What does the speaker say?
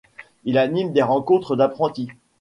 Il anime des rencontres d'apprentis.